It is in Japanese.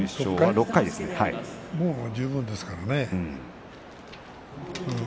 もう十分ですからね。